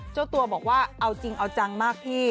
เจ้าตัวบอกว่าเอาจริงเอาจังมากพี่